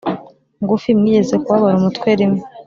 ngufi mwigeze kubabara umutwe rimwe